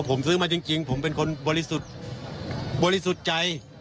ผมซื้อมาจริงผมเป็นคนบริสุทธิ์บริสุทธิ์ใจ